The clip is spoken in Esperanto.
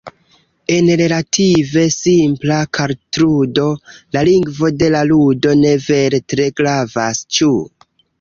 En relative simpla kartludo la lingvo de la ludo ne vere tre gravas, ĉu?